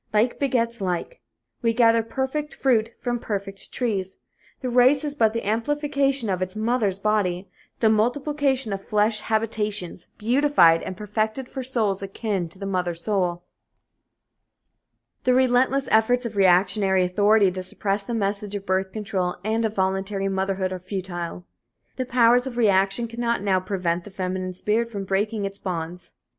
Like begets like. We gather perfect fruit from perfect trees. The race is but the amplification of its mother body, the multiplication of flesh habitations beautified and perfected for souls akin to the mother soul. The relentless efforts of reactionary authority to suppress the message of birth control and of voluntary motherhood are futile. The powers of reaction cannot now prevent the feminine spirit from breaking its bonds.